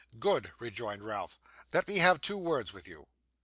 'Good,' rejoined Ralph. 'Let me have two words with you.